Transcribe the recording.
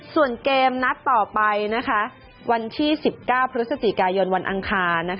ส่วนเกมนัดต่อไปวันที่๑๙พฤศจิกายนวันอังคาร